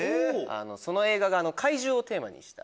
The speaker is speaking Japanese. その映画が怪獣をテーマにした。